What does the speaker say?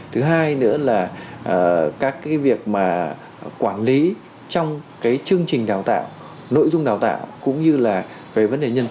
thứ hai nữa là các cái việc mà quản lý trong cái chương trình đào tạo nội dung đào tạo cũng như là về vấn đề nhân đạo